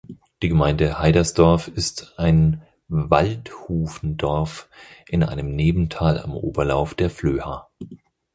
Die Gemeinde Heidersdorf ist ein Waldhufendorf in einem Nebental am Oberlauf der Flöha.